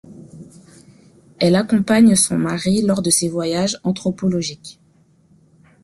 Elle accompagne son mari lors ses voyages anthropologiques.